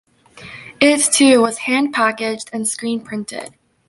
It too was hand packaged and screenprinted.